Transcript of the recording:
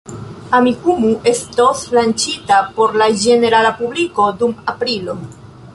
Amikumu estos lanĉita por la ĝenerala publiko dum aprilo.